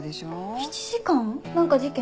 何か事件？